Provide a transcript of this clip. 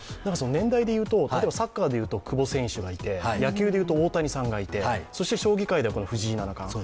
年代でいうと、例えばサッカーでいうと久保選手がいて、野球で言うと大谷さんがいて、将棋界では藤井七冠。